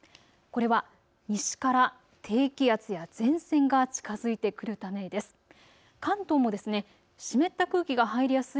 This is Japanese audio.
これは西から低気圧や前線が近づいてくるためです。